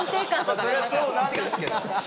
そりゃそうなんですけど。